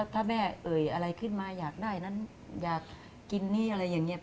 ถ้าแม่เอ่ยอะไรขึ้นมาอยากได้นั้นอยากกินนี่อะไรอย่างนี้